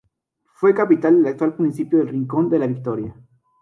Fue capital del actual municipio de Rincón de la Victoria.